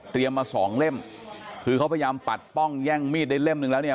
มาสองเล่มคือเขาพยายามปัดป้องแย่งมีดได้เล่มหนึ่งแล้วเนี่ย